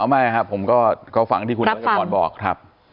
อ๋อไม่ครับผมก็ฟังที่คุณน้อยก่อนบอกครับ